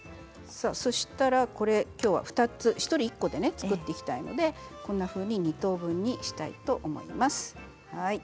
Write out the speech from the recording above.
そしたらきょうは１人１個で作っていきたいので２等分にしたいと思います。